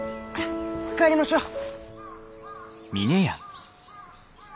帰りましょう。